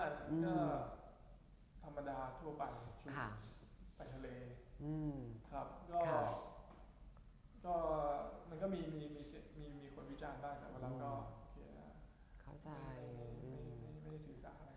ไม่ถือสารนะครับ